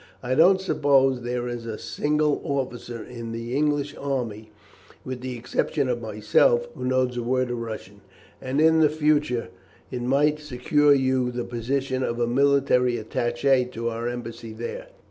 I don't suppose there is a single officer in the English army, with the exception of myself, who knows a word of Russian, and in the future it might secure you the position of military attaché to our embassy there.